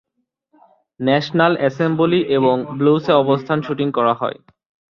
National assembly এবং ব্লুসে অবস্থান শুটিং করা হয়।